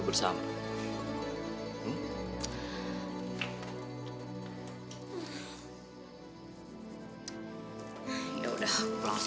oke jadi aku pulang oak